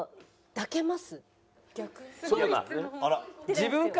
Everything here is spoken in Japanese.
「抱けます？」。